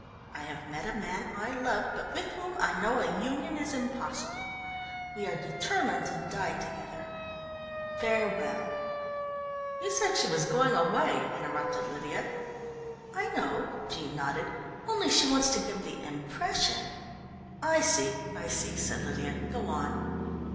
I have met a man I love, but with whom I know a union is impossible. We are determined to die together farewell _" "You said she was going away," interrupted Lydia. "I know," Jean nodded. "Only she wants to give the impression " "I see, I see," said Lydia. "Go on."